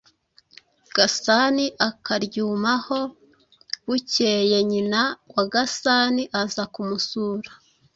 Gasani akaryumaho. Bukeye nyina wa Gasani aza kumusura,